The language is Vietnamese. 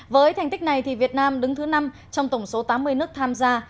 với thành tích này việt nam đứng thứ năm trong tổng số tám mươi nước tham gia